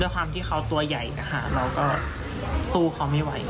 ด้วยกี่เขาตัวใหญ่แล้วก็สู้เขาไม่ไหว